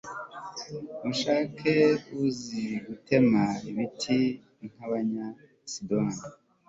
mushake uzi gutema ibiti nk'abanyasidoni